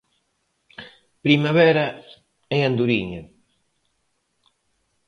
Primavera e andoriña.